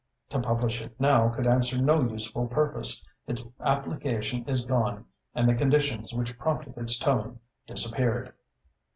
To publish it now could answer no useful purpose. Its application is gone and the conditions which prompted its tone disappeared."